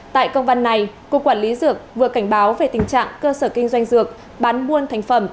tại công văn này cục quản lý dược vừa cảnh báo về tình trạng cơ sở kinh doanh dược bán buôn thành phẩm